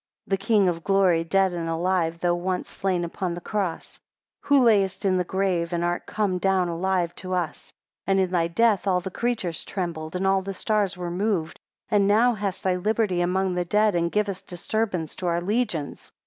5 The king of Glory, dead and alive, though once slain upon the cross? 6 Who layest dead in the grave, and art come down alive to us, and in thy death all the creatures trembled, and all the stars were moved; and now hast thy liberty among the dead, and givest disturbance to our legions?